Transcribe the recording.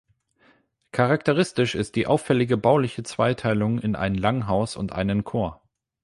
Charakteristisch ist die auffällige bauliche Zweiteilung in ein Langhaus und einen Chor.